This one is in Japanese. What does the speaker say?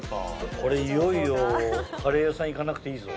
これいよいよカレー屋さん行かなくていいぞ。